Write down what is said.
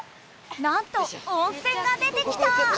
なんと温泉が出てきた！